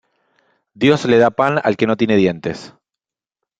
Dios le da pan al que no tiene dientes